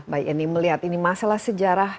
mbak yeni melihat ini masalah sejarah